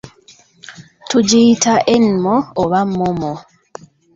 Tugiyita enmo oba mmommo.